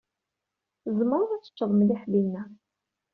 Tzemreḍ ad tecceḍ mliḥ dinna.